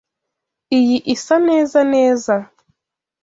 Iyi isa neza neza.